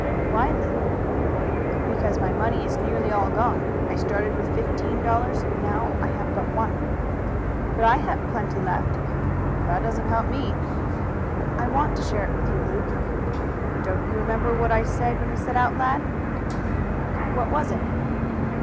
"Why, Luke?" "Because my money is nearly all gone. I started with fifteen dollars. Now I have but one." "But I have plenty left." "That doesn't help me." "I want to share it with you, Luke." "Don't you remember what I said when we set out, lad?" "What was it?"